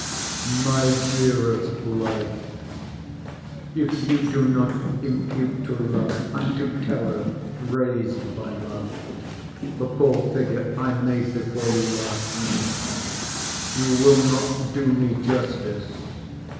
MY DEAREST LIFE, If you do not impute to live, and to terror raised by love, the poor figure I made before you last night, you will not do me justice.